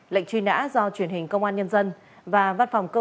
lệnh truy nã do truyền hình công an nhân dân và văn phòng công an